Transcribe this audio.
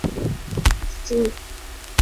Jugaba como lateral derecho o como centrocampista.